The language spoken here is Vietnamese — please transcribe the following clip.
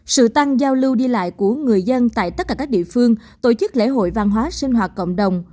sự tăng giao lưu đi lại của người dân tại tất cả các địa phương tổ chức lễ hội văn hóa sinh hoạt cộng đồng